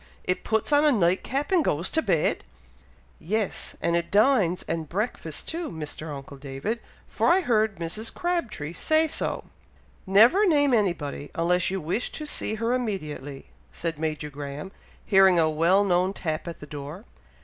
it puts on a night cap, and goes to bed?" "Yes! and it dines and breakfasts too, Mr. uncle David, for I heard Mrs. Crabtree say so." "Never name anybody, unless you wish to see her immediately," said Major Graham, hearing a well known tap at the door.